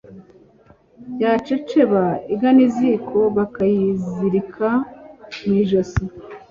yaceceba iganiziko bakayizirika mw’ijosi.